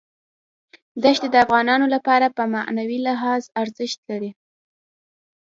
دښتې د افغانانو لپاره په معنوي لحاظ ارزښت لري.